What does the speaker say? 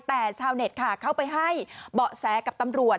แต่ชาวเน็ตค่ะเข้าไปให้เบาะแสกับตำรวจ